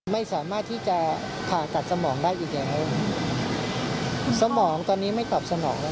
คุณพ่อคุณแม่ทำใจเลยหรือครับ